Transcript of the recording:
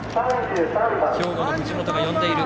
兵庫の藤本が呼んでいる。